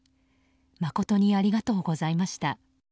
誠にありがとうございました。